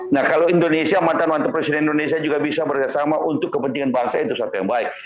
nah kalau indonesia mantan mantan presiden indonesia juga bisa bekerjasama untuk kepentingan bangsa itu satu yang baik